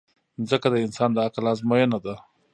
مځکه د انسان د عقل ازموینه ده.